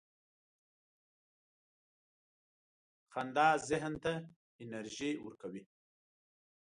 • خندا ذهن ته انرژي ورکوي.